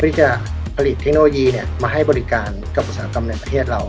ที่จะผลิตเทคโนโลยีมาให้บริการกับอุตสาหกรรมในประเทศเรา